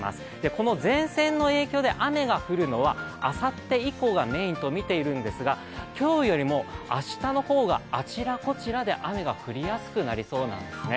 この前線の影響で雨が降るのはあさって以降がメインと見ているんですが今日よりも明日の方があちらこちらで雨が降りやすくなりそうなんですね。